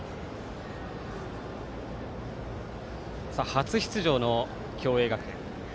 初出場の共栄学園。